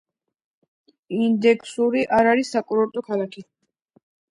ისქენდერუნი არის საკურორტო ქალაქი.